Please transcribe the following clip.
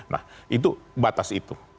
nah itu batas itu